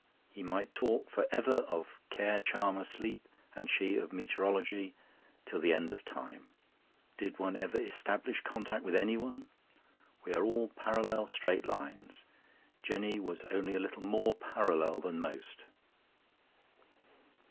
He might talk for ever of care charmer sleep and she of meteorology till the end of time. Did one ever establish contact with anyone? We are all parallel straight lines. Jenny was only a little more parallel than most.